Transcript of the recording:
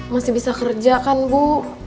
masih bisa kerja kan bu